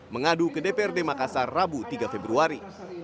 mengadu ke dprd makassar rabu tiga februari